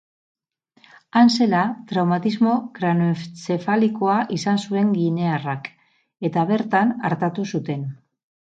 Han zela, traumatismo kraneoentzefalikoa izan zuen ginearrak, eta bertan artatu zuten.